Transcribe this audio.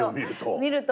見ると。